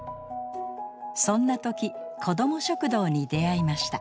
そんな時子ども食堂に出会いました。